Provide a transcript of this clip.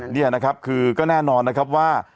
นี่นะครับคือก็แน่นอนนะครับว่า